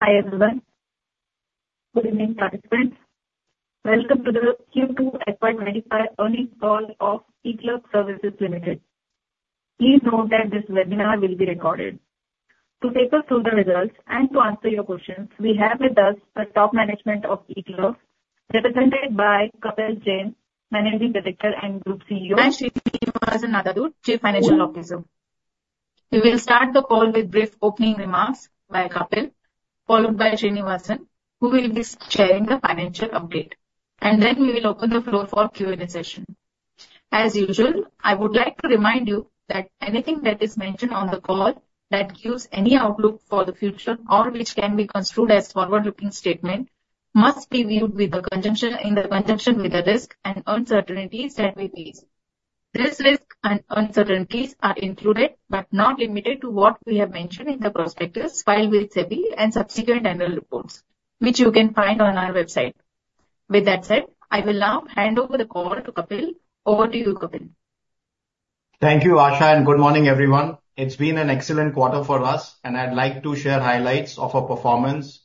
Hi everyone. Good evening, participants. Welcome to the Q2 FY 2025 earnings call of eClerx Services Limited. Please note that this webinar will be recorded. To take us through the results and to answer your questions, we have with us the top management of eClerx, represented by Kapil Jain, Managing Director and Group CEO. Srinivasan Nadadhur, Chief Financial Officer. We will start the call with brief opening remarks by Kapil, followed by Srinivasan, who will be sharing the financial update. Then we will open the floor for Q&A session. As usual, I would like to remind you that anything that is mentioned on the call that gives any outlook for the future or which can be construed as forward-looking statement must be viewed in conjunction with the risk and uncertainties that we face. These risks and uncertainties are included but not limited to what we have mentioned in the prospectus, filed with SEBI, and subsequent annual reports, which you can find on our website. With that said, I will now hand over the call to Kapil. Over to you, Kapil. Thank you, Asha, and good morning, everyone. It's been an excellent quarter for us, and I'd like to share highlights of our performance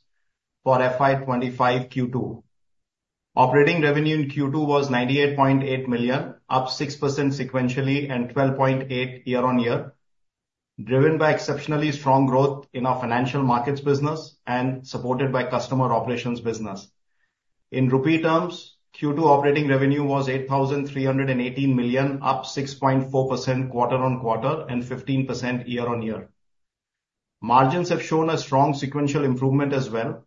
for FY 2025 Q2. Operating revenue in Q2 was 98.8 million, up 6% sequentially and 12.8% year-on-year, driven by exceptionally strong growth in our financial markets business and supported by customer operations business. In Rupee terms, Q2 operating revenue was 8,318 million, up 6.4% quarter-on-quarter and 15% year-on-year. Margins have shown a strong sequential improvement as well.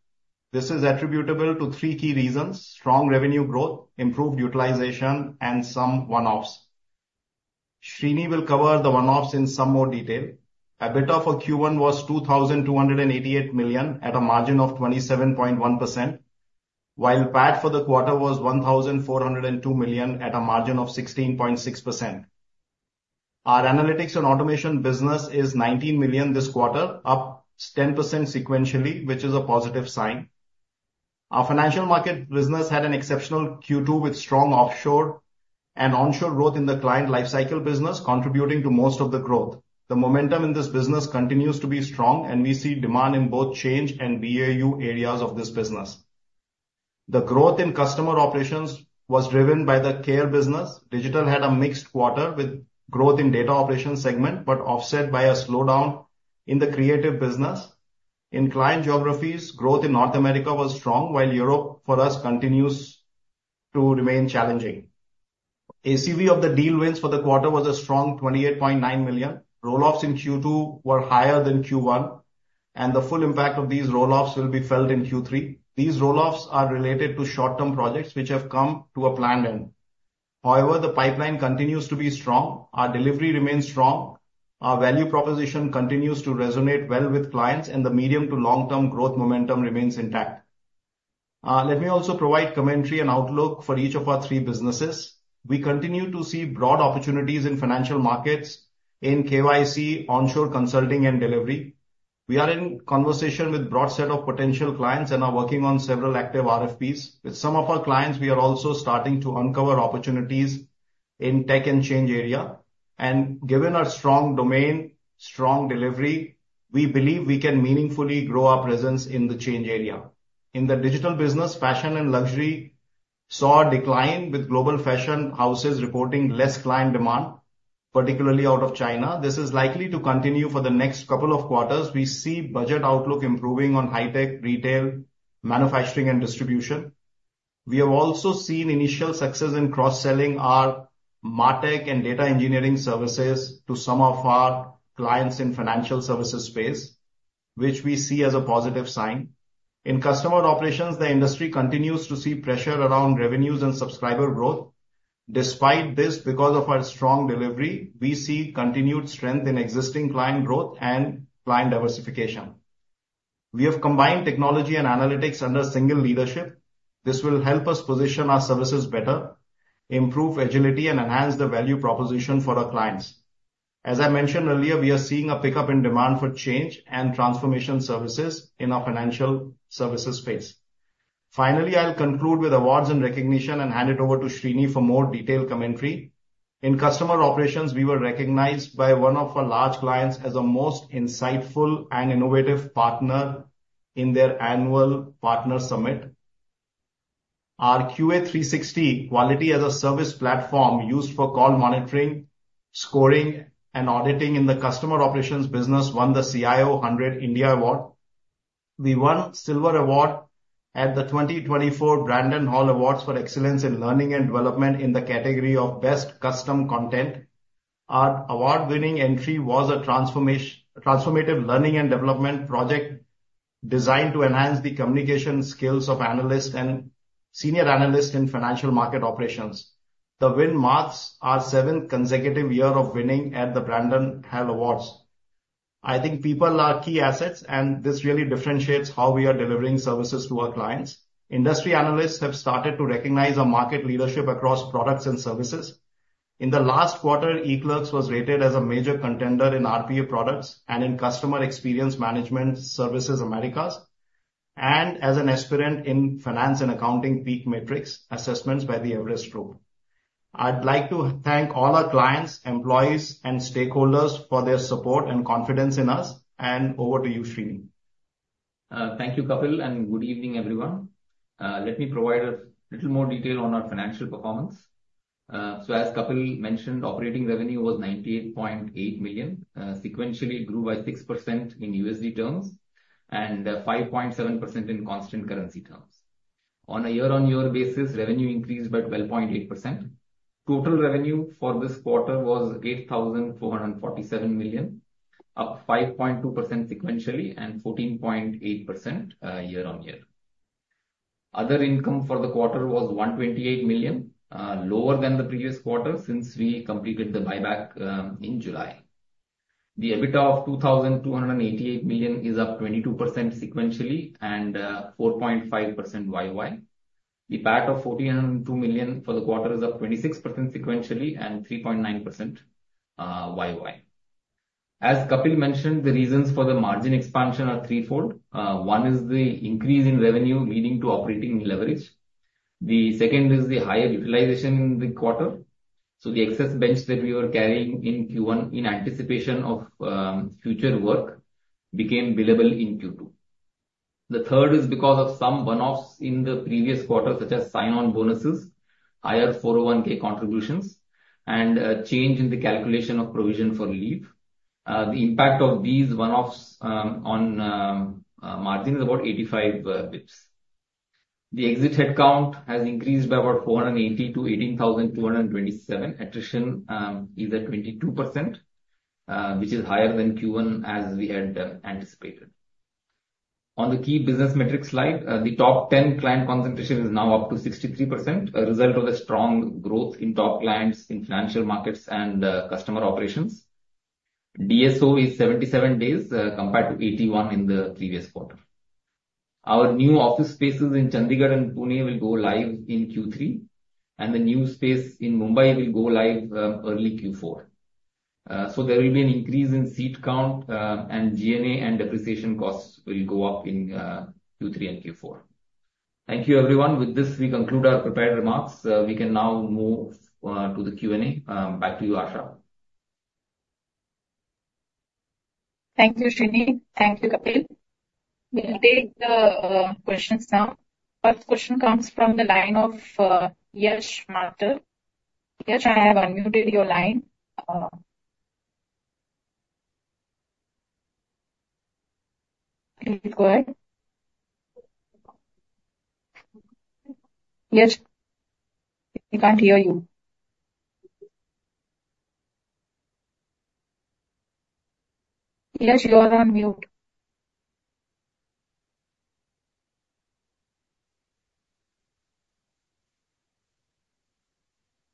This is attributable to three key reasons: strong revenue growth, improved utilization, and some one-offs. Srini will cover the one-offs in some more detail. EBITDA for Q1 was 2,288 million at a margin of 27.1%, while PAT for the quarter was 1,402 million at a margin of 16.6%. Our analytics and automation business is 19 million this quarter, up 10% sequentially, which is a positive sign. Our financial market business had an exceptional Q2 with strong offshore and onshore growth in the client lifecycle business, contributing to most of the growth. The momentum in this business continues to be strong, and we see demand in both change and BAU areas of this business. The growth in customer operations was driven by the care business. Digital had a mixed quarter with growth in data operations segment but offset by a slowdown in the creative business. In client geographies, growth in North America was strong, while Europe for us continues to remain challenging. ACV of the deal wins for the quarter was a strong 28.9 million. Roll-offs in Q2 were higher than Q1, and the full impact of these roll-offs will be felt in Q3. These roll-offs are related to short-term projects which have come to a planned end. However, the pipeline continues to be strong. Our delivery remains strong. Our value proposition continues to resonate well with clients, and the medium to long-term growth momentum remains intact. Let me also provide commentary and outlook for each of our three businesses. We continue to see broad opportunities in financial markets, in KYC, onshore consulting, and delivery. We are in conversation with a broad set of potential clients and are working on several active RFPs. With some of our clients, we are also starting to uncover opportunities in the tech and change area, and given our strong domain, strong delivery, we believe we can meaningfully grow our presence in the change area. In the digital business, fashion and luxury saw a decline with global fashion houses reporting less client demand, particularly out of China. This is likely to continue for the next couple of quarters. We see budget outlook improving on high-tech, retail, manufacturing, and distribution. We have also seen initial success in cross-selling our MarTech and data engineering services to some of our clients in the financial services space, which we see as a positive sign. In customer operations, the industry continues to see pressure around revenues and subscriber growth. Despite this, because of our strong delivery, we see continued strength in existing client growth and client diversification. We have combined technology and analytics under a single leadership. This will help us position our services better, improve agility, and enhance the value proposition for our clients. As I mentioned earlier, we are seeing a pickup in demand for change and transformation services in our financial services space. Finally, I'll conclude with awards and recognition and hand it over to Srini for more detailed commentary. In customer operations, we were recognized by one of our large clients as the most insightful and innovative partner in their annual partner summit. Our QA360 quality as a service platform used for call monitoring, scoring, and auditing in the customer operations business won the CIO 100 India Award. We won the Silver Award at the 2024 Brandon Hall Awards for excellence in learning and development in the category of best custom content. Our award-winning entry was a transformative learning and development project designed to enhance the communication skills of analysts and senior analysts in financial market operations. The win marks our seventh consecutive year of winning at the Brandon Hall Awards. I think people are key assets, and this really differentiates how we are delivering services to our clients. Industry analysts have started to recognize our market leadership across products and services. In the last quarter, eClerx was rated as a major contender in RPA products and in customer experience management services, Americas, and as an aspirant in finance and accounting PEAK Matrix assessments by the Everest Group. I'd like to thank all our clients, employees, and stakeholders for their support and confidence in us. And over to you, Srini. Thank you, Kapil, and good evening, everyone. Let me provide a little more detail on our financial performance. As Kapil mentioned, operating revenue was 98.8 million, sequentially grew by 6% in USD terms and 5.7% in constant currency terms. On a year-on-year basis, revenue increased by 12.8%. Total revenue for this quarter was 8,447 million, up 5.2% sequentially and 14.8% year-on-year. Other income for the quarter was 128 million, lower than the previous quarter since we completed the buyback in July. The EBITDA of 2,288 million is up 22% sequentially and 4.5% YoY. The PAT of 1,402 million for the quarter is up 26% sequentially and 3.9% YoY. As Kapil mentioned, the reasons for the margin expansion are threefold. One is the increase in revenue leading to operating leverage. The second is the higher utilization in the quarter. The excess bench that we were carrying in Q1 in anticipation of future work became billable in Q2. The third is because of some one-offs in the previous quarter, such as sign-on bonuses, higher 401(k) contributions, and a change in the calculation of provision for leave. The impact of these one-offs on margin is about 85 basis points. The exit headcount has increased by about 480 to 18,227. Attrition is at 22%, which is higher than Q1, as we had anticipated. On the key business metrics slide, the top 10 client concentration is now up to 63%, a result of the strong growth in top clients in financial markets and customer operations. DSO is 77 days compared to 81 in the previous quarter. Our new office spaces in Chandigarh and Pune will go live in Q3, and the new space in Mumbai will go live early Q4. So, there will be an increase in seat count, and G&A and depreciation costs will go up in Q3 and Q4. Thank you, everyone. With this, we conclude our prepared remarks. We can now move to the Q&A. Back to you, Asha. Thank you, Srini. Thank you, Kapil. We'll take the questions now. First question comes from the line of Yash Mehta. Yash, I have unmuted your line. Please go ahead. Yash, we can't hear you. Yash, you are unmuted.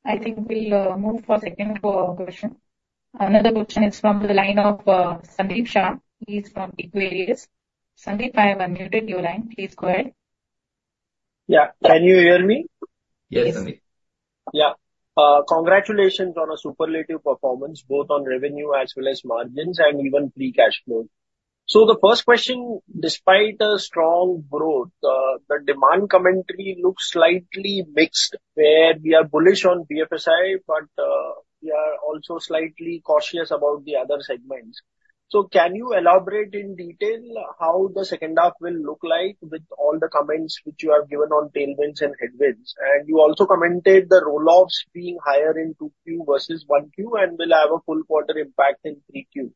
I think we'll move for the second question. Another question is from the line of Sandeep Shah. He's from Equirius. Sandeep, I have unmuted your line. Please go ahead. Yeah. Can you hear me? Yes, Sandeep. Yeah. Congratulations on a superlative performance, both on revenue as well as margins and even pre-cash flow. So, the first question, despite a strong growth, the demand commentary looks slightly mixed, where we are bullish on BFSI, but we are also slightly cautious about the other segments. So, can you elaborate in detail how the second half will look like with all the comments which you have given on tailwinds and headwinds? And you also commented the roll-offs being higher in 2Q versus 1Q and will have a full quarter impact in 3Q.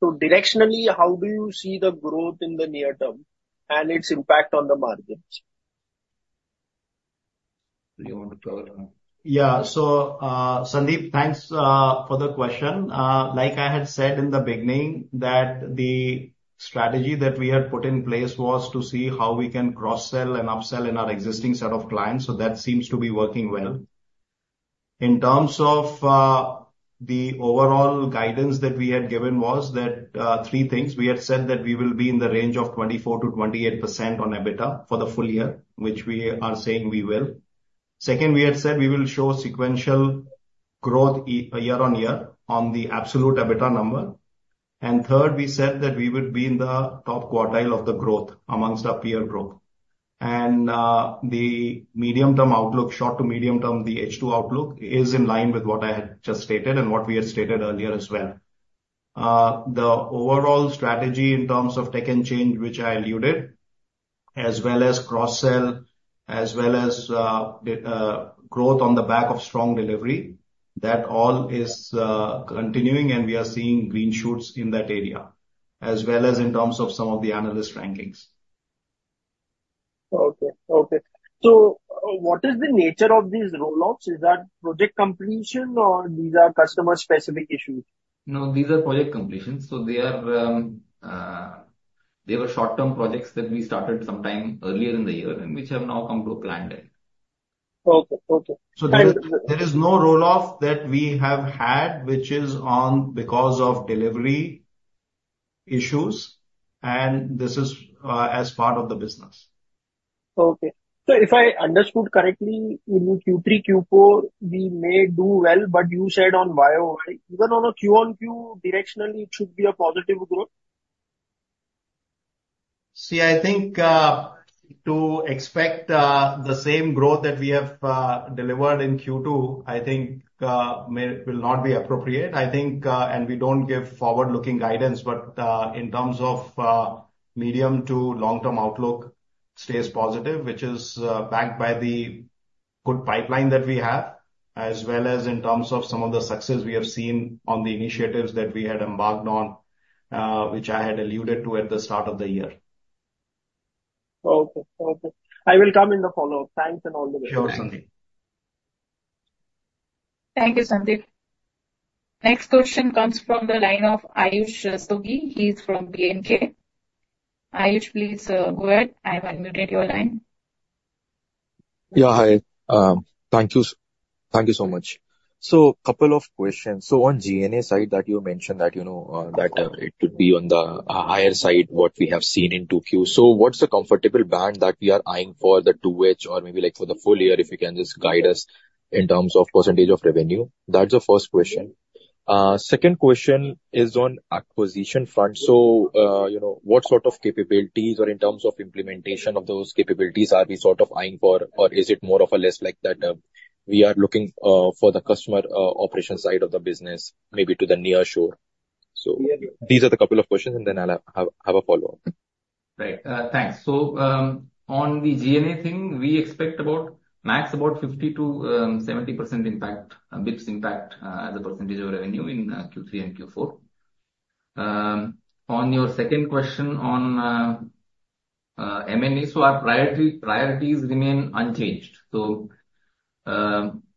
So, directionally, how do you see the growth in the near term and its impact on the margins? Yeah. So, Sandeep, thanks for the question. Like I had said in the beginning, the strategy that we had put in place was to see how we can cross-sell and upsell in our existing set of clients. So, that seems to be working well. In terms of the overall guidance that we had given, three things. We had said that we will be in the range of 24% to 28% on EBITDA for the full year, which we are saying we will. Second, we had said we will show sequential growth year-on-year on the absolute EBITDA number. And third, we said that we would be in the top quartile of the growth amongst our peer group. And the medium-term outlook, short to medium-term, the H2 outlook is in line with what I had just stated and what we had stated earlier as well. The overall strategy in terms of tech and change, which I alluded, as well as cross-sell, as well as growth on the back of strong delivery, that all is continuing, and we are seeing green shoots in that area, as well as in terms of some of the analyst rankings. Okay. So, what is the nature of these roll-offs? Is that project completion, or these are customer-specific issues? No, these are project completions. So, they were short-term projects that we started sometime earlier in the year, which have now come to a planned end. Okay. Okay. So, there is no roll-off that we have had, which is because of delivery issues, and this is as part of the business. Okay, so if I understood correctly, in Q3, Q4, we may do well, but you said on YoY, even on a Q1Q, directionally, it should be a positive growth? See, I think to expect the same growth that we have delivered in Q2, I think will not be appropriate. I think, and we don't give forward-looking guidance, but in terms of medium- to long-term outlook, stays positive, which is backed by the good pipeline that we have, as well as in terms of some of the success we have seen on the initiatives that we had embarked on, which I had alluded to at the start of the year. Okay. Okay. I will come in the follow-up. Thanks and all the best. Sure, Sandeep. Thank you, Sandeep. Next question comes from the line of Aayush Rastogi. He's from B&K. Aayush, please go ahead. I have unmuted your line. Yeah. Hi. Thank you. Thank you so much. So, a couple of questions. So, on G&A side that you mentioned that it could be on the higher side, what we have seen in 2Q. So, what's the comfortable band that we are eyeing for the 2H or maybe for the full year, if you can just guide us in terms of percentage of revenue? That's the first question. Second question is on acquisition fund. So, what sort of capabilities or in terms of implementation of those capabilities are we sort of eyeing for, or is it more or less like that we are looking for the customer operation side of the business, maybe to the nearshore? So, these are the couple of questions, and then I'll have a follow-up. Right. Thanks. So, on the G&A thing, we expect about max about 50 to 70 basis points impact as a percentage of revenue in Q3 and Q4. On your second question on M&A, so our priorities remain unchanged. So,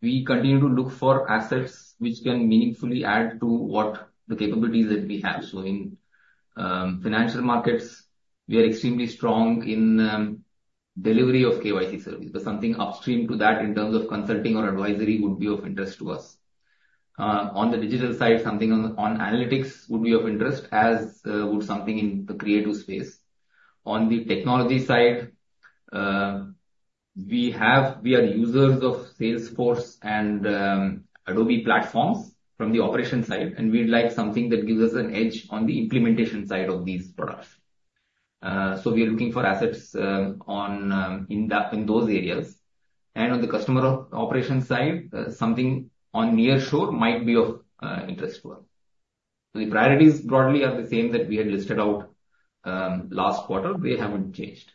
we continue to look for assets which can meaningfully add to the capabilities that we have. So, in financial markets, we are extremely strong in delivery of KYC service. But something upstream to that in terms of consulting or advisory would be of interest to us. On the digital side, something on analytics would be of interest, as would something in the creative space. On the technology side, we are users of Salesforce and Adobe platforms from the operation side, and we'd like something that gives us an edge on the implementation side of these products. So, we are looking for assets in those areas. And on the customer operation side, something on near shore might be of interest to us. So, the priorities broadly are the same that we had listed out last quarter. They haven't changed.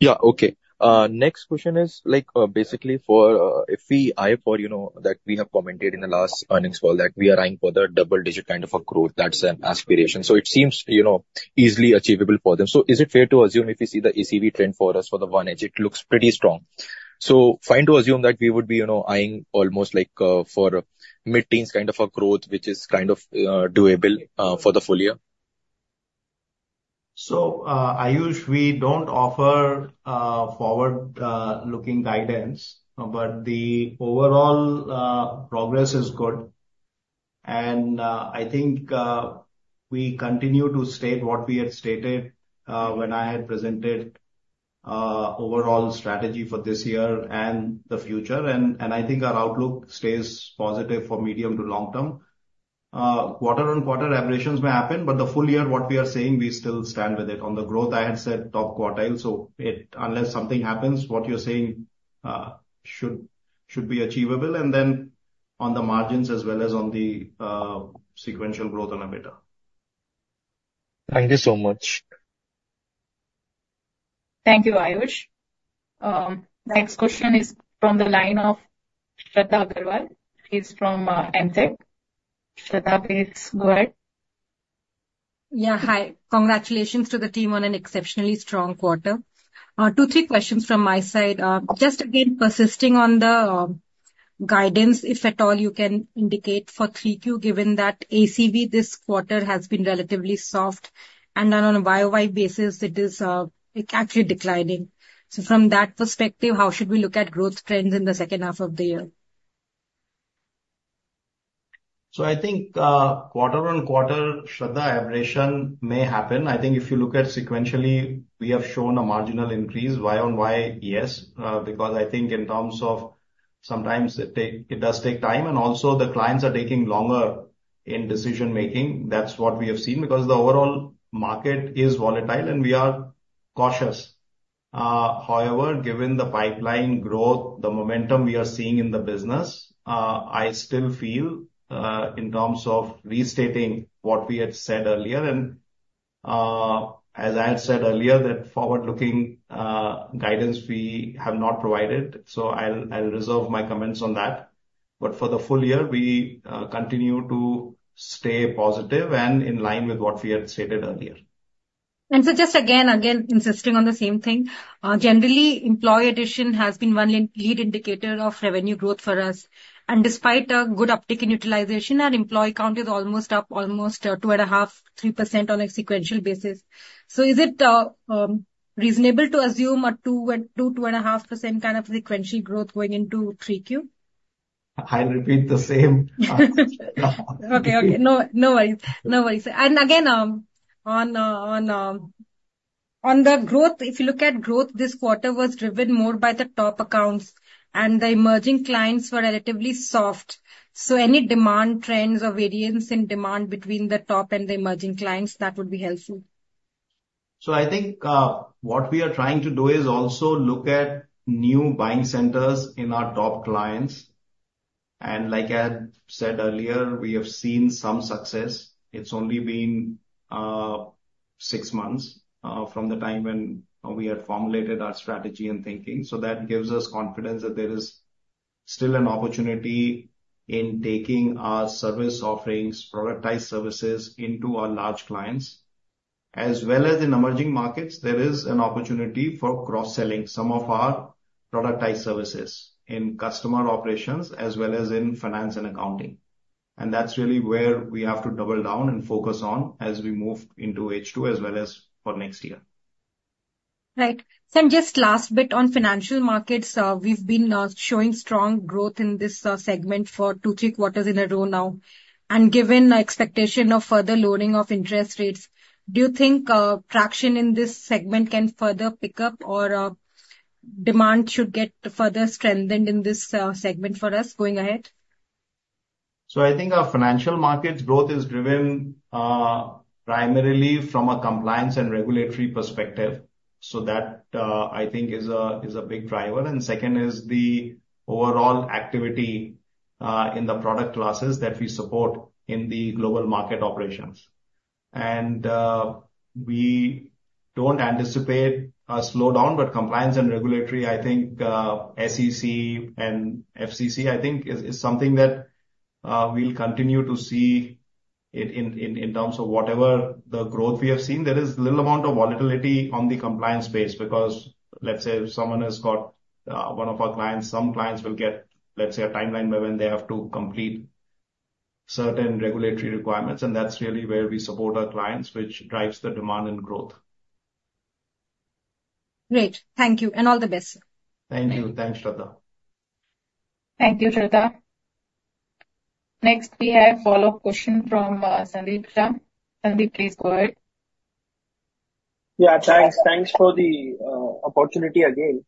Yeah. Okay. Next question is basically for FY that we have commented in the last earnings call that we are eyeing for the double-digit kind of a growth. That's an aspiration. So, it seems easily achievable for them. So, is it fair to assume if you see the ACV trend for us for the one leg, it looks pretty strong? So, fine to assume that we would be eyeing almost like for mid-teens kind of a growth, which is kind of doable for the full year? So, Aayush, we don't offer forward-looking guidance, but the overall progress is good. And I think we continue to state what we had stated when I had presented overall strategy for this year and the future. And I think our outlook stays positive for medium to long term. Quarter-on-quarter aberrations may happen, but the full year, what we are saying, we still stand with it on the growth. I had said top quartile. So, unless something happens, what you're saying should be achievable. And then on the margins as well as on the sequential growth on EBITDA. Thank you so much. Thank you, Aayush. Next question is from the line of Shradha Agrawal. She's from AMSEC. Shradha, please go ahead. Yeah. Hi. Congratulations to the team on a exceptionally strong quarter. two, three questions from my side. Just again, persisting on the guidance, if at all you can indicate for 3Q, given that ACV this quarter has been relatively soft, and then on a YoY basis, it is actually declining. So, from that perspective, how should we look at growth trends in the second half of the year? So, I think quarter-on-quarter Shradha aberration may happen. I think if you look at sequentially, we have shown a marginal increase. YoY, yes. Because I think in terms of sometimes it does take time, and also the clients are taking longer in decision-making. That's what we have seen because the overall market is volatile, and we are cautious. However, given the pipeline growth, the momentum we are seeing in the business, I still feel in terms of restating what we had said earlier, and as I had said earlier, that forward-looking guidance we have not provided. So, I'll reserve my comments on that. But for the full year, we continue to stay positive and in line with what we had stated earlier. And so, just again, insisting on the same thing, generally, employee addition has been one lead indicator of revenue growth for us. And despite a good uptick in utilization, our employee count is almost up 2.5% to 3% on a sequential basis. So, is it reasonable to assume a 2% to 2.5% kind of sequential growth going into 3Q? I'll repeat the same. Okay. No worries. And again, on the growth, if you look at growth, this quarter was driven more by the top accounts, and the emerging clients were relatively soft. So, any demand trends or variance in demand between the top and the emerging clients, that would be helpful. I think what we are trying to do is also look at new buying centers in our top clients. Like I had said earlier, we have seen some success. It's only been six months from the time when we had formulated our strategy and thinking. That gives us confidence that there is still an opportunity in taking our service offerings, productized services into our large clients. As well as in emerging markets, there is an opportunity for cross-selling some of our productized services in customer operations as well as in finance and accounting. That's really where we have to double down and focus on as we move into H2 as well as for next year. Right. So, just last bit on financial markets. We've been showing strong growth in this segment for two, three quarters in a row now. And given the expectation of further lowering of interest rates, do you think traction in this segment can further pick up, or demand should get further strengthened in this segment for us going ahead? I think our financial markets growth is driven primarily from a compliance and regulatory perspective. That I think is a big driver. Second is the overall activity in the product classes that we support in the global market operations. We don't anticipate a slowdown, but compliance and regulatory, I think SEC and FCC, I think is something that we'll continue to see in terms of whatever the growth we have seen. There is a little amount of volatility on the compliance space because, let's say, if someone has got one of our clients, some clients will get, let's say, a timeline by when they have to complete certain regulatory requirements. And that's really where we support our clients, which drives the demand and growth. Great. Thank you. And all the best. Thank you. Thanks, Shradha. Thank you, Shradha. Next, we have a follow-up question from Sandeep Shah. Sandeep, please go ahead. Yeah. Thanks. Thanks for the opportunity again.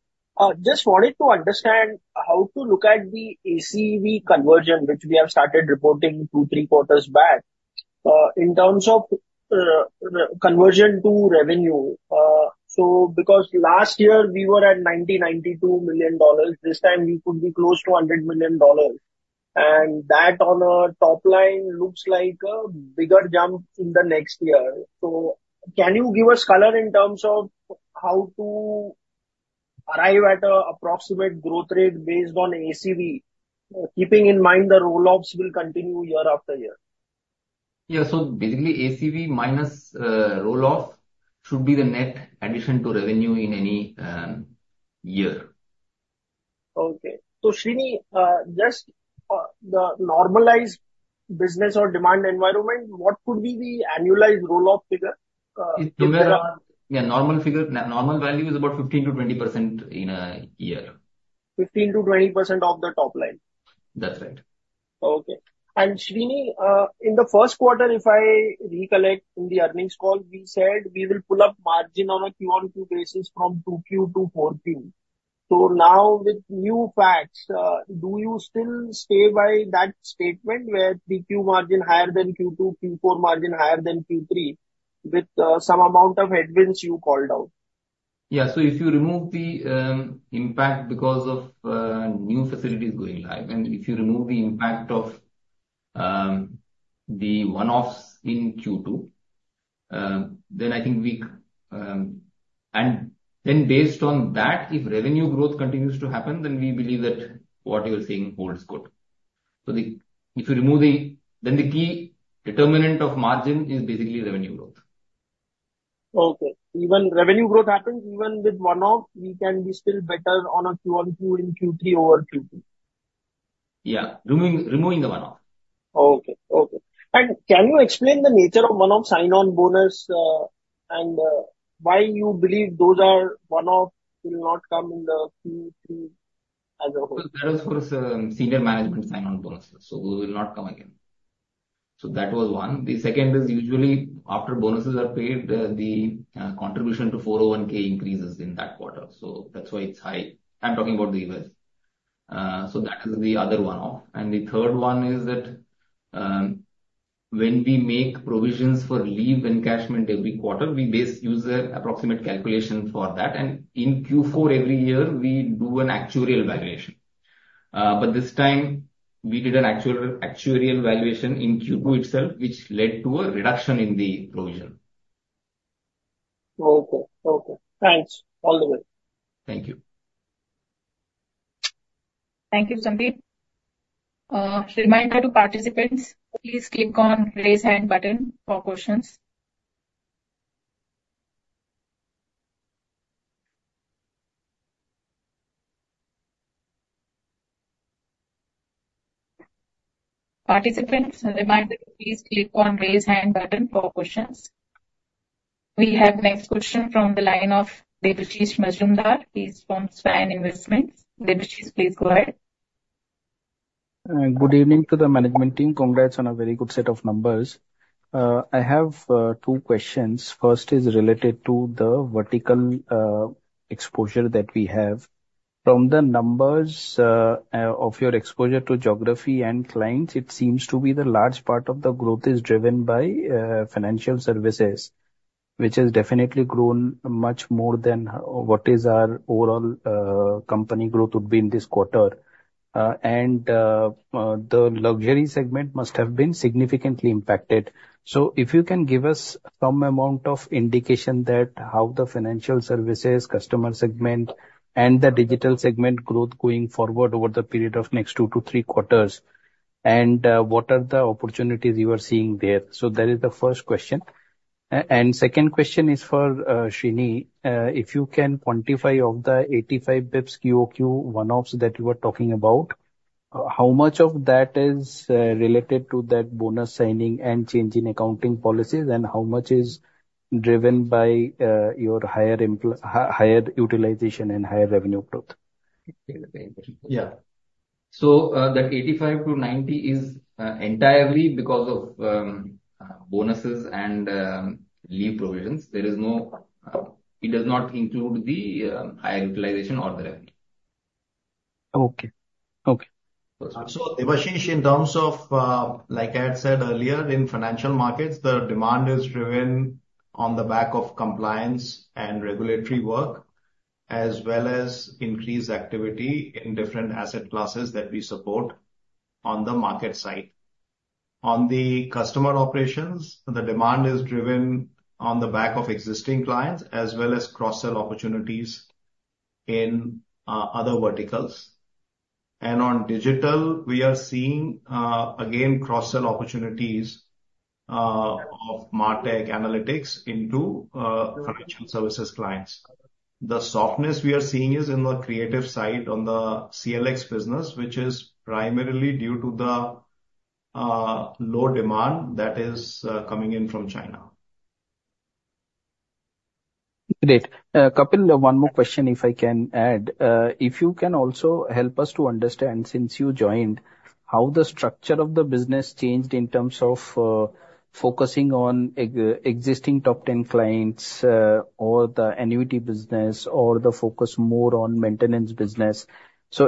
Just wanted to understand how to look at the ACV conversion, which we have started reporting two, three quarters back. In terms of conversion to revenue, so because last year we were at $90 to $92 million, this time we could be close to $100 million. And that on a top line looks like a bigger jump in the next year. So, can you give us color in terms of how to arrive at an approximate growth rate based on ACV, keeping in mind the roll-offs will continue year after year? Yeah. So, basically, ACV minus roll-off should be the net addition to revenue in any year. Okay. So, Srini, just the normalized business or demand environment, what could be the annualized roll-off figure? Yeah. Normal value is about 15% to 20% in a year. 15% to 20% of the top line? That's right. Okay. And Srini, in the first quarter, if I recollect in the earnings call, we said we will pull up margin on a Q1Q basis from 2Q to 4Q. So, now with new facts, do you still stay by that statement where PQ margin higher than Q2, Q4 margin higher than Q3 with some amount of headwinds you called out? Yeah, so if you remove the impact because of new facilities going live, and if you remove the impact of the one-offs in Q2, then I think, and then based on that, if revenue growth continues to happen, then we believe that what you're seeing holds good, so if you remove, then the key determinant of margin is basically revenue growth. Okay. Even revenue growth happens, even with one-off, we can be still better on a QoQ and Q3 over Q2? Yeah. Removing the one-off. Okay. And can you explain the nature of one-off sign-on bonus and why you believe those are one-off, will not come in the Q3 as a whole? That was for senior management sign-on bonuses. So, we will not come again. So, that was one. The second is usually after bonuses are paid, the contribution to 401(k) increases in that quarter. So, that's why it's high. I'm talking about the U.S. So, that is the other one-off. And the third one is that when we make provisions for leave encashment every quarter, we use an approximate calculation for that. And in Q4 every year, we do an actuarial valuation. But this time, we did an actuarial valuation in Q2 itself, which led to a reduction in the provision. Okay. Okay. Thanks. All the best. Thank you. Thank you, Sandeep. Reminder to participants, please click on raise hand button for questions. Participants, reminder, please click on raise hand button for questions. We have next question from the line of Debashish Mazumdar. He's from Svan Investments. Debashish, please go ahead. Good evening to the management team. Congrats on a very good set of numbers. I have two questions. First is related to the vertical exposure that we have. From the numbers of your exposure to geography and clients, it seems to be the large part of the growth is driven by financial services, which has definitely grown much more than what is our overall company growth would be in this quarter. And the luxury segment must have been significantly impacted. So, if you can give us some amount of indication that how the financial services, customer segment, and the digital segment growth going forward over the period of next two to three quarters, and what are the opportunities you are seeing there. So, that is the first question. And second question is for Srini. If you can quantify the 85 basis points QoQ one-offs that you were talking about, how much of that is related to that bonus signing and changing accounting policies, and how much is driven by your higher utilization and higher revenue growth? Yeah. So, that 85 to 90 is entirely because of bonuses and leave provisions. There is no, it does not include the higher utilization or the revenue. Okay. Okay. So, Debashish, in terms of, like I had said earlier, in financial markets, the demand is driven on the back of compliance and regulatory work, as well as increased activity in different asset classes that we support on the market side. On the customer operations, the demand is driven on the back of existing clients, as well as cross-sell opportunities in other verticals. And on digital, we are seeing, again, cross-sell opportunities of MarTech analytics into financial services clients. The softness we are seeing is in the creative side on the CLX business, which is primarily due to the low demand that is coming in from China. Great. Kapil, one more question, if I can add. If you can also help us to understand, since you joined, how the structure of the business changed in terms of focusing on existing top 10 clients or the annuity business or the focus more on maintenance business? So,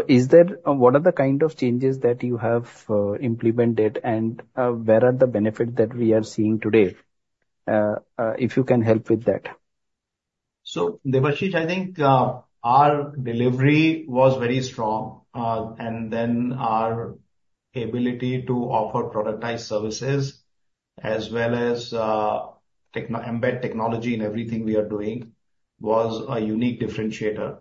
what are the kind of changes that you have implemented, and where are the benefits that we are seeing today? If you can help with that? Debashish, I think our delivery was very strong, and then our ability to offer productized services as well as embed technology in everything we are doing was a unique differentiator.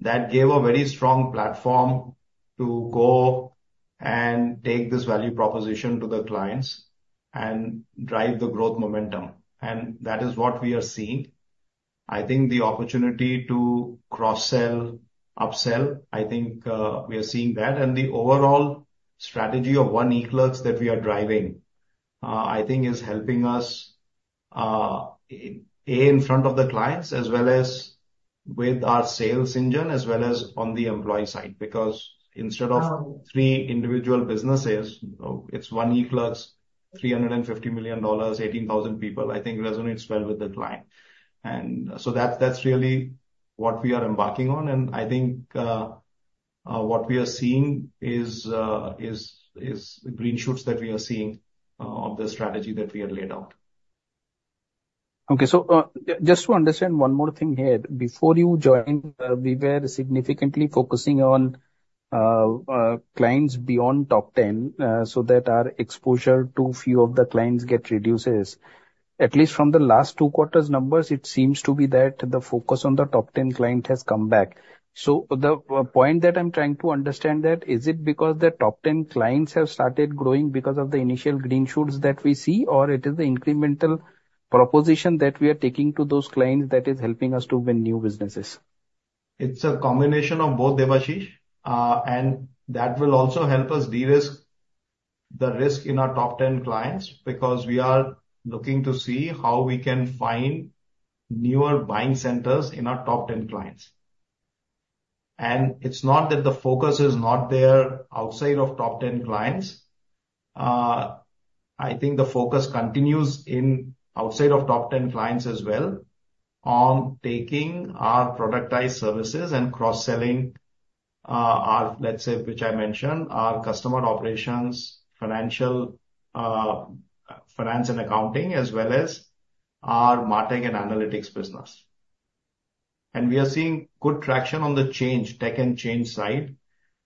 That gave a very strong platform to go and take this value proposition to the clients and drive the growth momentum, and that is what we are seeing. I think the opportunity to cross-sell, upsell, I think we are seeing that. The overall strategy of One eClerx that we are driving, I think, is helping us, A, in front of the clients, as well as with our sales engine, as well as on the employee side. Because instead of three individual businesses, it's One eClerx, $350 million, 18,000 people. I think resonates well with the client, and so, that's really what we are embarking on. I think what we are seeing is the green shoots that we are seeing of the strategy that we have laid out. Okay. So, just to understand one more thing here. Before you joined, we were significantly focusing on clients beyond top 10 so that our exposure to few of the clients gets reduced. At least from the last two quarters' numbers, it seems to be that the focus on the top 10 client has come back. So, the point that I'm trying to understand that, is it because the top 10 clients have started growing because of the initial green shoots that we see, or it is the incremental proposition that we are taking to those clients that is helping us to win new businesses? It's a combination of both, Debashish. And that will also help us de-risk the risk in our top 10 clients because we are looking to see how we can find newer buying centers in our top 10 clients. And it's not that the focus is not there outside of top 10 clients. I think the focus continues outside of top 10 clients as well on taking our productized services and cross-selling our, let's say, which I mentioned, our customer operations, finance and accounting, as well as our MarTech and analytics business. And we are seeing good traction on the tech and change side,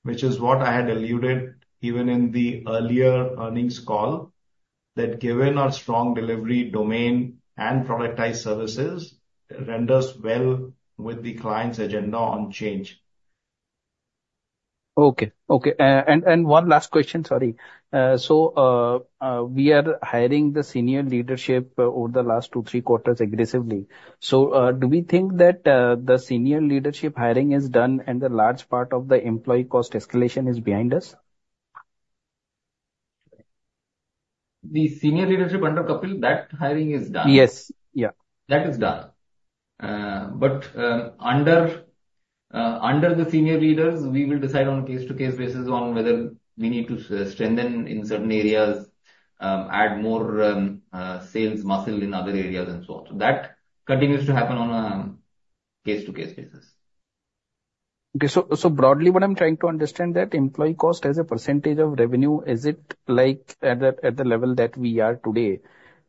which is what I had alluded even in the earlier earnings call, that given our strong delivery domain and productized services, it renders well with the client's agenda on change. Okay. Okay. And one last question, sorry. So, we are hiring the senior leadership over the last two, three quarters aggressively. So, do we think that the senior leadership hiring is done and the large part of the employee cost escalation is behind us? The senior leadership, under Kapil, that hiring is done. Yes. Yeah. That is done. But under the senior leaders, we will decide on a case-to-case basis on whether we need to strengthen in certain areas, add more sales muscle in other areas, and so on. So, that continues to happen on a case-to-case basis. Okay. So, broadly, what I'm trying to understand is that employee cost as a percentage of revenue, is it at the level that we are today?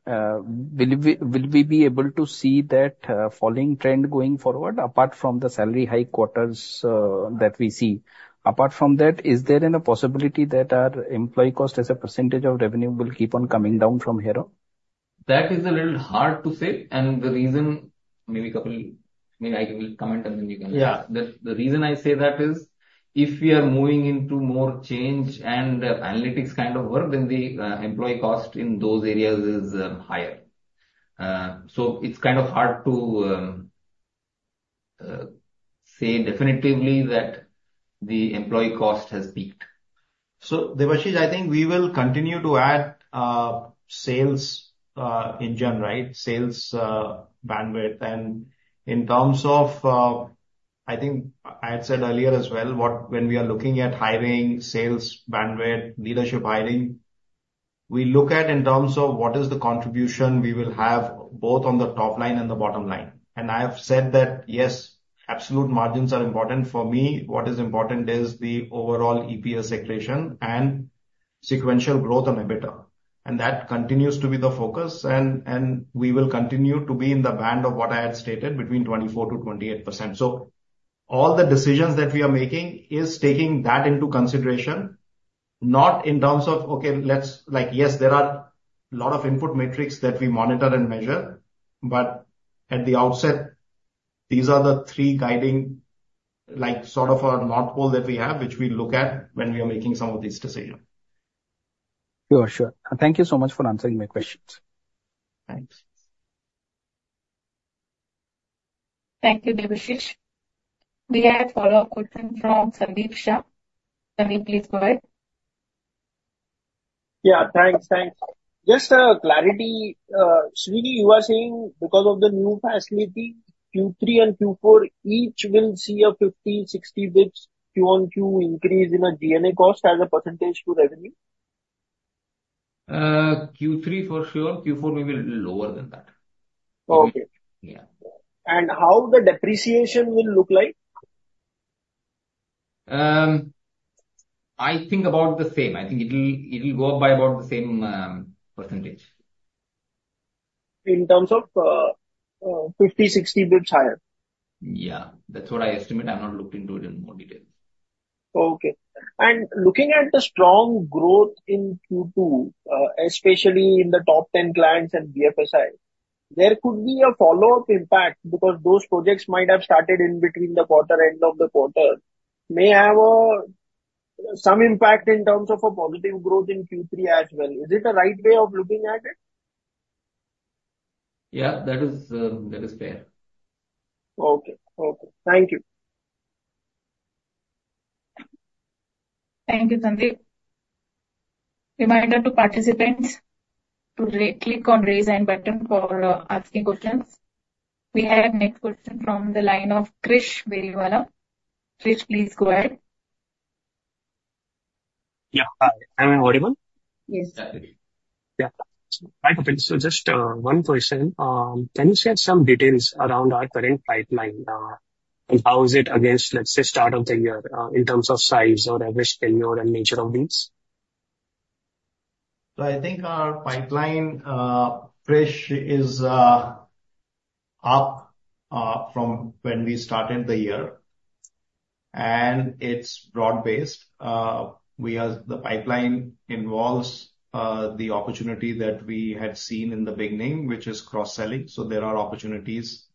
Will we be able to see that falling trend going forward apart from the salary-high quarters that we see? Apart from that, is there a possibility that our employee cost as a percentage of revenue will keep on coming down from here on? That is a little hard to say. And the reason, maybe Kapil, maybe I will comment, and then you can answer. The reason I say that is if we are moving into more change and analytics kind of work, then the employee cost in those areas is higher. So, it's kind of hard to say definitively that the employee cost has peaked. So, Debashish, I think we will continue to add sales engine, right? Sales bandwidth. And in terms of, I think I had said earlier as well, when we are looking at hiring, sales bandwidth, leadership hiring, we look at in terms of what is the contribution we will have both on the top line and the bottom line. And I have said that, yes, absolute margins are important. For me, what is important is the overall EPS equation and sequential growth on EBITDA. That continues to be the focus. We will continue to be in the band of what I had stated, between 24% to 28%. All the decisions that we are making is taking that into consideration, not in terms of, okay, yes, there are a lot of input metrics that we monitor and measure. At the outset, these are the three guiding sort of our North Pole that we have, which we look at when we are making some of these decisions. Sure. Sure. Thank you so much for answering my questions. Thanks. Thank you, Debashish. We had a follow-up question from Sandeep Shah. Sandeep, please go ahead. Yeah. Thanks. Thanks. Just a clarity. Srini, you were saying because of the new facility, Q3 and Q4, each will see a 50 to 60 basis points QoQ increase in a G&A cost as a percentage to revenue? Q3 for sure. Q4 will be lower than that. Okay. Yeah. How the depreciation will look like? I think about the same. I think it will go up by about the same percentage. In terms of 50, 60 basis points higher? Yeah. That's what I estimate. I've not looked into it in more detail. Okay. And looking at the strong growth in Q2, especially in the top 10 clients and BFSI, there could be a follow-up impact because those projects might have started in between the quarter end of the quarter, may have some impact in terms of a positive growth in Q3 as well. Is it a right way of looking at it? Yeah. That is fair. Okay. Okay. Thank you. Thank you, Sandeep. Reminder to participants to click on raise hand button for asking questions. We have next question from the line of Krish Beriwala. Krish, please go ahead. Yeah. Am I audible? Yes. Yeah. Hi, Kapil. So just one question. Can you share some details around our current pipeline and how is it against, let's say, start of the year in terms of size or average tenure and nature of these? So I think our pipeline, Krish, is up from when we started the year. And it's broad-based. The pipeline involves the opportunity that we had seen in the beginning, which is cross-selling. So there are opportunities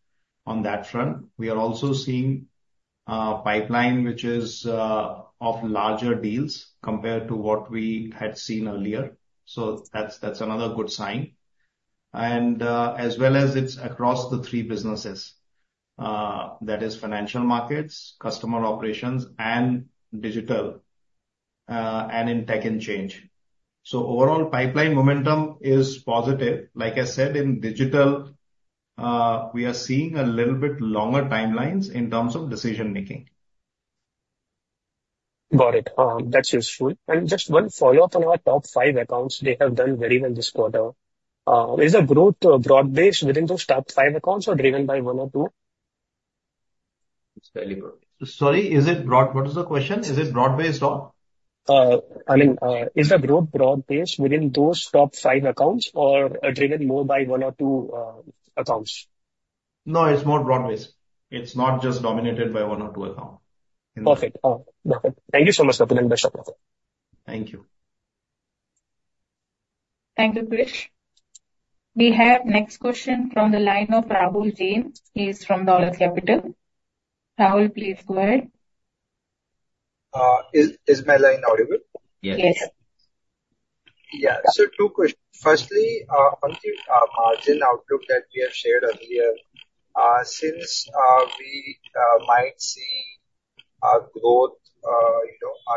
on that front. We are also seeing a pipeline which is of larger deals compared to what we had seen earlier. So that's another good sign. And as well as it's across the three businesses, that is financial markets, customer operations, and digital, and in tech and change. So overall, pipeline momentum is positive. Like I said, in digital, we are seeing a little bit longer timelines in terms of decision-making. Got it. That's useful. And just one follow-up on our top five accounts. They have done very well this quarter. Is the growth broad-based within those top five accounts or driven by one or two? It's very broad. Sorry, is it broad? What is the question? Is it broad-based or? I mean, is the growth broad-based within those top five accounts or driven more by one or two accounts? No, it's more broad-based. It's not just dominated by one or two accounts. Perfect. Perfect. Thank you so much, Kapil and Srini. Thank you. Thank you, Krish. We have next question from the line of Rahul Jain. He is from Dolat Capital. Rahul, please go ahead. Is my line audible? Yes. Yes. Yeah. So two questions. Firstly, on the margin outlook that we have shared earlier, since we might see growth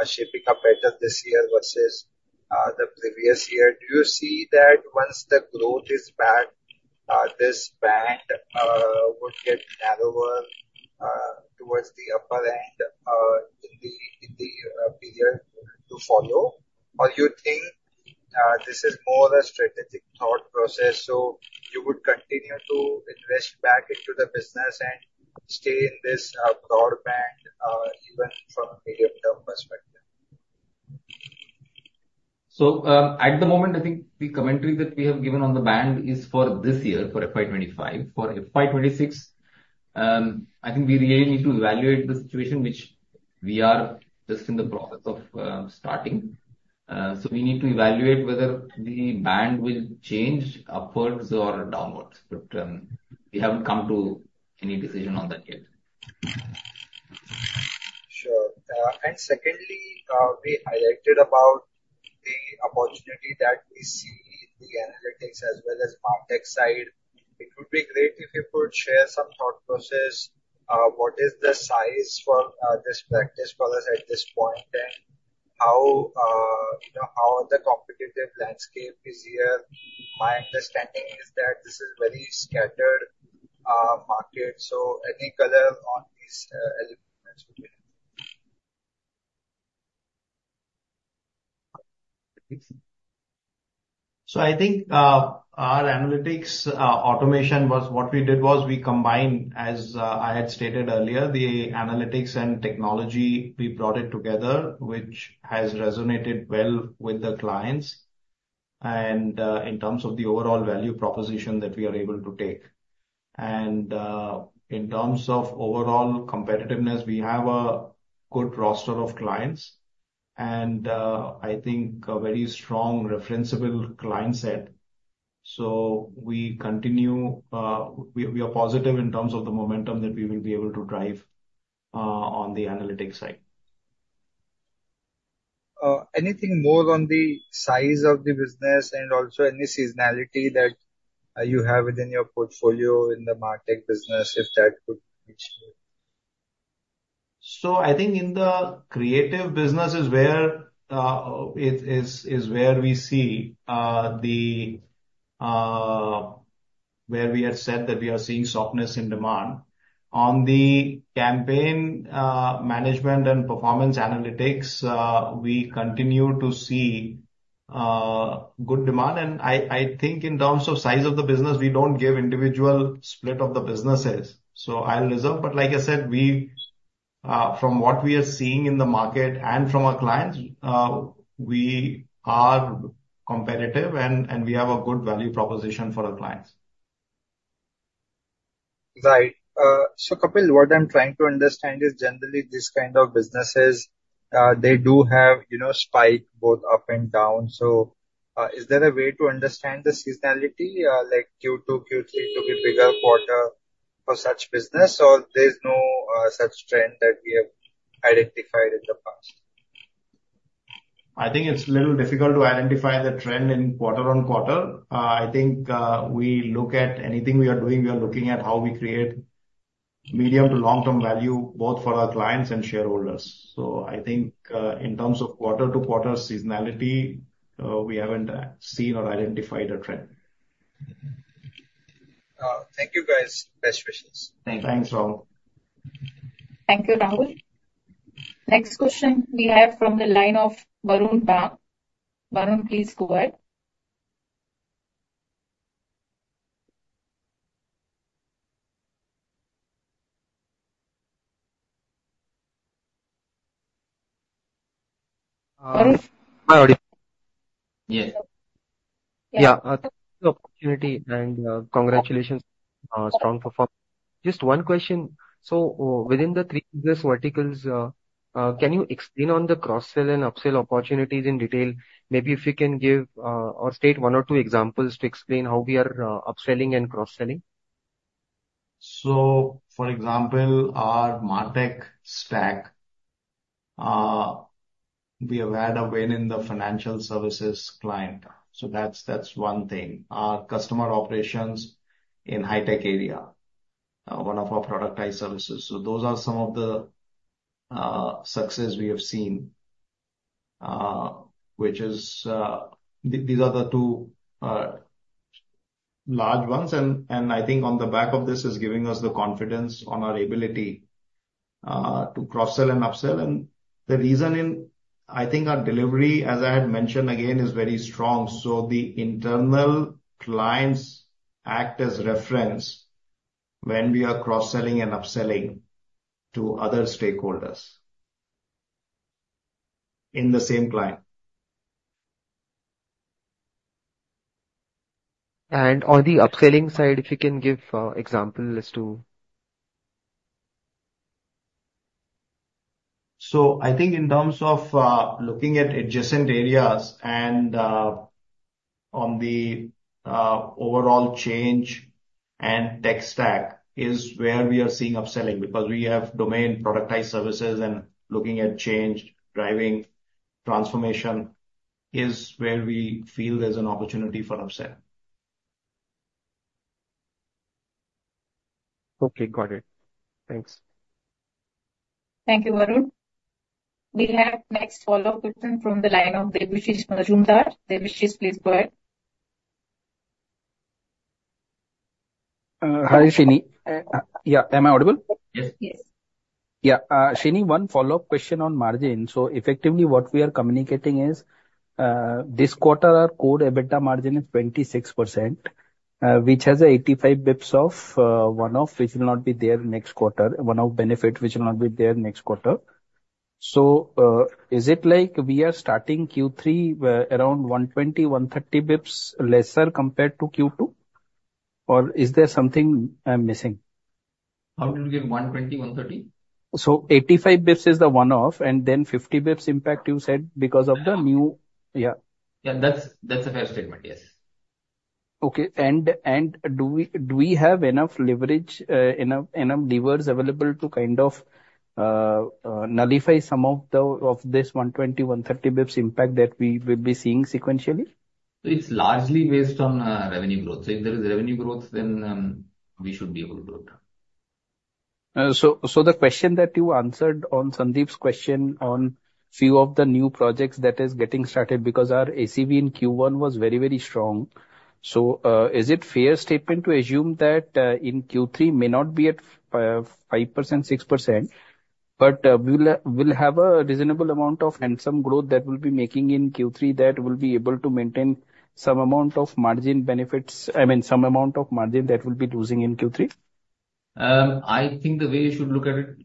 shaping up better this year versus the previous year, do you see that once the growth is back, this band would get narrower towards the upper end in the period to follow? Or do you think this is more a strategic thought process? So you would continue to invest back into the business and stay in this broad band even from a medium-term perspective? So at the moment, I think the commentary that we have given on the band is for this year, for FY 2025. For FY 2026, I think we really need to evaluate the situation, which we are just in the process of starting. So we need to evaluate whether the band will change upwards or downwards. But we haven't come to any decision on that yet. Sure. And secondly, we highlighted about the opportunity that we see in the analytics as well as MarTech side. It would be great if you could share some thought process. What is the size of this practice at this point? And how is the competitive landscape here? My understanding is that this is a very scattered market. So any color on these elements would be helpful. So I think our analytics automation was what we did was we combined, as I had stated earlier, the analytics and technology. We brought it together, which has resonated well with the clients and in terms of the overall value proposition that we are able to take. And in terms of overall competitiveness, we have a good roster of clients and I think a very strong referenceable client set. So we are positive in terms of the momentum that we will be able to drive on the analytics side. Anything more on the size of the business and also any seasonality that you have within your portfolio in the MarTech business, if that could be shared? So I think in the creative business is where we see where we had said that we are seeing softness in demand. On the campaign management and performance analytics, we continue to see good demand. And I think in terms of size of the business, we don't give individual split of the businesses. So I'll reserve. But like I said, from what we are seeing in the market and from our clients, we are competitive and we have a good value proposition for our clients. Right. So Kapil, what I'm trying to understand is generally this kind of businesses, they do have spikes both up and down. So is there a way to understand the seasonality, like Q2, Q3 to be bigger quarters for such business, or there's no such trend that we have identified in the past? I think it's a little difficult to identify the trend in quarter on quarter. I think we look at anything we are doing, we are looking at how we create medium to long-term value both for our clients and shareholders. So I think in terms of quarter to quarter seasonality, we haven't seen or identified a trend. Thank you, guys. Best wishes. Thanks. Thanks, Rahul. Thank you, Rahul. Next question we have from the line of Varun Bang. Varun, please go ahead. Varun. Hi, audio. Yes. Yeah. Thank you for the opportunity and congratulations on strong performance. Just one question. So within the three business verticals, can you explain on the cross-sell and upsell opportunities in detail? Maybe if you can give or state one or two examples to explain how we are upselling and cross-selling. So, for example, our MarTech stack, we have had a win in the financial services client. So that's one thing. Our customer operations in high-tech area, one of our productized services. So those are some of the successes we have seen, which is these are the two large ones. And I think on the back of this is giving us the confidence on our ability to cross-sell and upsell. And the reason is, I think our delivery, as I had mentioned again, is very strong. So the internal clients act as reference when we are cross-selling and upselling to other stakeholders in the same client. And on the upselling side, if you can give examples too. I think in terms of looking at adjacent areas and on the overall change and tech stack is where we are seeing upselling because we have domain productized services, and looking at change driving transformation is where we feel there's an opportunity for upsell. Okay. Got it. Thanks. Thank you, Varun. We have next follow-up question from the line of Debashish Mazumdar. Debashish, please go ahead. Hi, Srini. Yeah. Am I audible? Yes. Yes. Yeah. Srini, one follow-up question on margin. So effectively, what we are communicating is this quarter, our core EBITDA margin is 26%, which has 85 basis points of one-off, which will not be there next quarter, one-off benefit, which will not be there next quarter. So is it like we are starting Q3 around 120 to 130 basis points lesser compared to Q2? Or is there something missing? How do you get 120, 130? So 85 basis points is the one-off, and then 50 basis points impact, you said, because of the new yeah. Yeah. That's a fair statement. Yes. Okay, and do we have enough leverage, enough levers available to kind of nullify some of this 120, 130 basis points impact that we will be seeing sequentially? So it's largely based on revenue growth. So if there is revenue growth, then we should be able to do it. So the question that you answered on Sandeep's question on a few of the new projects that is getting started because our ACV in Q1 was very, very strong, so is it a fair statement to assume that in Q3 may not be at 5%, 6%, but we'll have a reasonable amount of handsome growth that we'll be making in Q3 that will be able to maintain some amount of margin benefits, I mean, some amount of margin that we'll be losing in Q3? I think the way you should look at it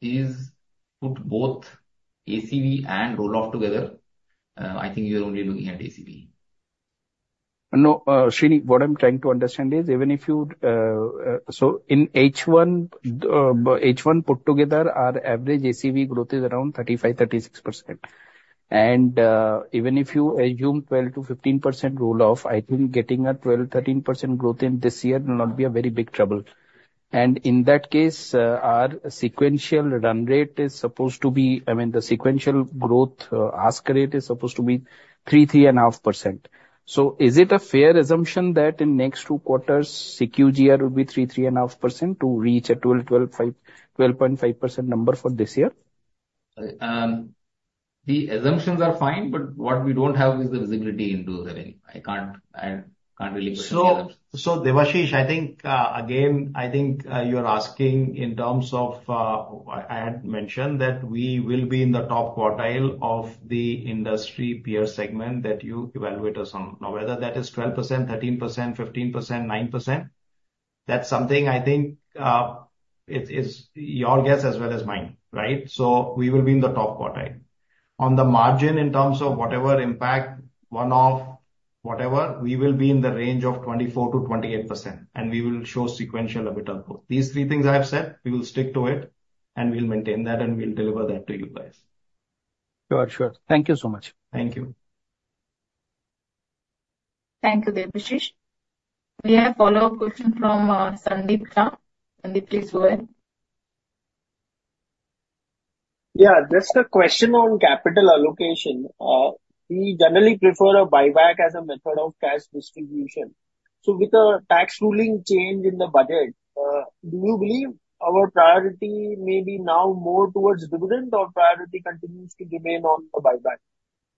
is put both ACV and roll-up together. I think you're only looking at ACV. No, Srini, what I'm trying to understand is even if you so in H1 put together, our average ACV growth is around 35 to 36%. And even if you assume 12 to 15% roll-up, I think getting a 12 to 13% growth in this year will not be a very big trouble. And in that case, our sequential run rate is supposed to be I mean, the sequential growth ask rate is supposed to be 3-3.5%. So is it a fair assumption that in next two quarters, CQGR will be 3 to 3.5% to reach a 12.5% number for this year? The assumptions are fine, but what we don't have is the visibility into the revenue. I can't really put into that. Debashish, I think again, I think you're asking in terms of I had mentioned that we will be in the top quartile of the industry peer segment that you evaluate us on. Now, whether that is 12%, 13%, 15%, 9%, that's something I think is your guess as well as mine, right? We will be in the top quartile. On the margin in terms of whatever impact, one-off, whatever, we will be in the range of 24% to 28%. And we will show sequential EBITDA growth. These three things I have said, we will stick to it, and we'll maintain that, and we'll deliver that to you guys. Sure. Sure. Thank you so much. Thank you. Thank you, Debashish. We have follow-up question from Sandeep Shah. Sandeep, please go ahead. Yeah. Just a question on capital allocation. We generally prefer a buyback as a method of cash distribution. So with the tax ruling change in the budget, do you believe our priority may be now more towards dividend, or priority continues to remain on the buyback?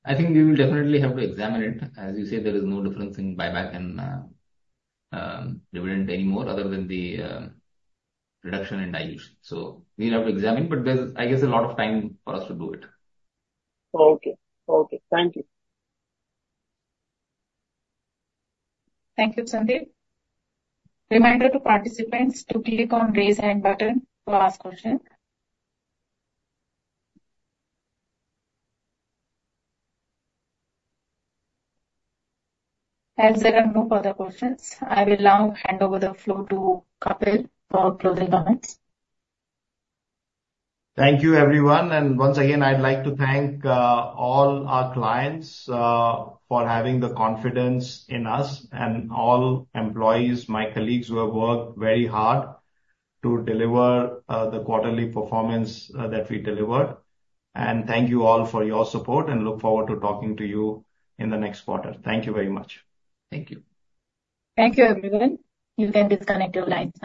I think we will definitely have to examine it. As you say, there is no difference in buyback and dividend anymore other than the reduction in dilution. So we'll have to examine, but there's, I guess, a lot of time for us to do it. Okay. Okay. Thank you. Thank you, Sandeep. Reminder to participants to click on raise hand button to ask questions. As there are no further questions, I will now hand over the floor to Kapil for closing comments. Thank you, everyone. And once again, I'd like to thank all our clients for having the confidence in us and all employees, my colleagues who have worked very hard to deliver the quarterly performance that we delivered. And thank you all for your support and look forward to talking to you in the next quarter. Thank you very much. Thank you. Thank you, everyone. You can disconnect your lines.